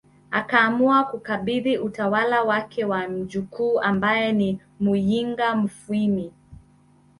Akaamua kuukabidhi utawala wake kwa mjukuu ambaye ni Muyinga Mufwimi